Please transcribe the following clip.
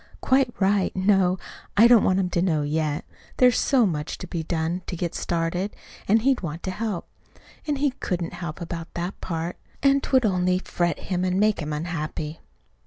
"Quite right. No, I don't want him to know yet. There's so much to be done to get started, and he'd want to help. And he couldn't help about that part; and't would only fret him and make him unhappy."